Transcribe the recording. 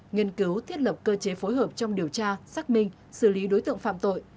nghiên cứu thiết lập cơ chế phối hợp trong điều tra xác minh xử lý đối tượng phạm tội